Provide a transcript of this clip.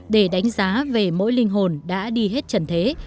để đánh giá về mỗi linh hồn đã đi hết trần thế